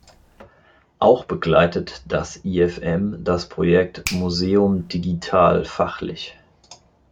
Auch begleitet das IfM das Projekt museum-digital fachlich.